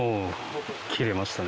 切れましたね。